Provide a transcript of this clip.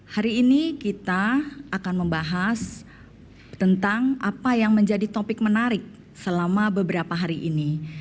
hari ini kita akan membahas tentang apa yang menjadi topik menarik selama beberapa hari ini